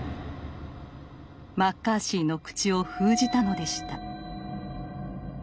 マッカーシーの口を封じたのでした。